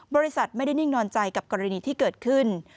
บริษัทไม่ได้นิ่งนอนใจกับกรณีที่เกิดขึ้น